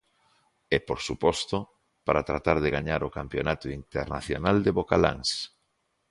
E, por suposto, para tratar de gañar o campionato internacional de bocaláns.